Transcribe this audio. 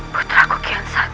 putra kukian santang